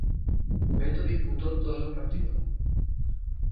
Beto disputó todos los partidos.